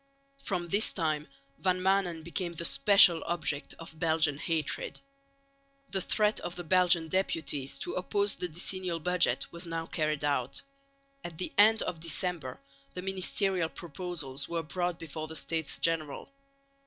From this time Van Maanen became the special object of Belgian hatred. The threat of the Belgian deputies to oppose the decennial budget was now carried out. At the end of December the ministerial proposals were brought before the States General.